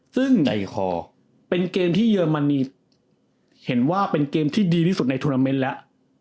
ซึ่งไอคอเป็นเกมที่เยอรมนีเห็นว่าเป็นเกมที่ดีที่สุดในทวนาเมนต์แล้ว